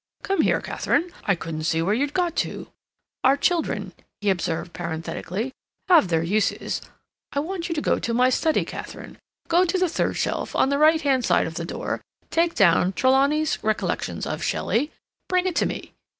"Come here, Katharine. I couldn't see where you'd got to—our children," he observed parenthetically, "have their uses—I want you to go to my study, Katharine; go to the third shelf on the right hand side of the door; take down 'Trelawny's Recollections of Shelley'; bring it to me.